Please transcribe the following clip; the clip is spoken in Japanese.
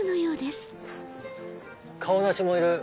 カオナシもいる。